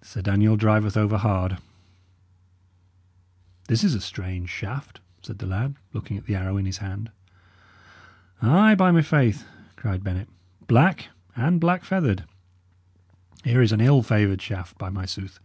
Sir Daniel driveth over hard." "This is a strange shaft," said the lad, looking at the arrow in his hand. "Ay, by my faith!" cried Bennet. "Black, and black feathered. Here is an ill favoured shaft, by my sooth!